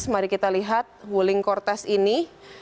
mari kita lihat wuling cortest ini